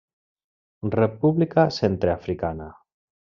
República Centreafricana.